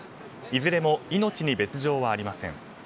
いずれも命に別条はありません。